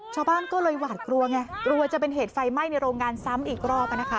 ชาวบ้านก็เลยหวาดกลัวไงกลัวจะเป็นเหตุไฟไหม้ในโรงงานซ้ำอีกรอบนะคะ